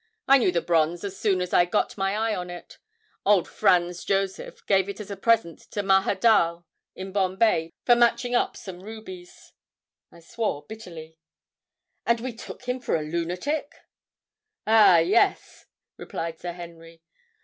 I knew the bronze as soon as I got my eye on it—old Franz Josef gave it as a present to Mahadal in Bombay for matching up some rubies." I swore bitterly. "And we took him for a lunatic!" "Ah, yes!" replied Sir Henry.